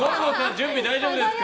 準備大丈夫ですか？